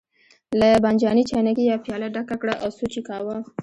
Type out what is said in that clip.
له بانجاني چاینکې یې پیاله ډکه کړه او سوچ یې کاوه.